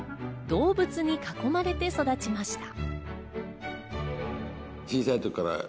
動物に囲まれて育ちました。